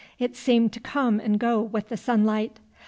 It seemed to come and go with the sunlight.